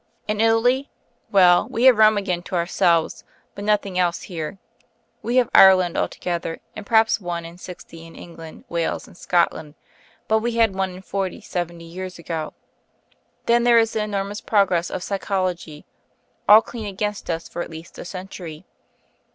In Italy? Well, we have Rome again to ourselves, but nothing else; here, we have Ireland altogether and perhaps one in sixty of England, Wales and Scotland; but we had one in forty seventy years ago. Then there is the enormous progress of psychology all clean against us for at least a century.